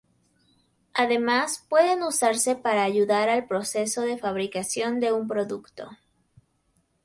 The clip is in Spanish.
Además pueden usarse para ayudar al proceso de fabricación de un producto.